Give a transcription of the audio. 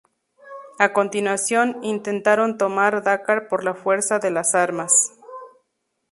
A continuación, intentaron tomar Dakar por la fuerza de las armas.